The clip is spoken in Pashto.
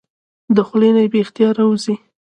د خلې نه بې اختياره اوځي